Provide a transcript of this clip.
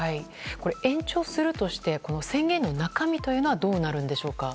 延長するとして宣言の中身というのはどうなるんでしょうか。